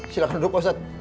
silahkan duduk pak ustadz